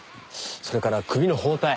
それから首の包帯。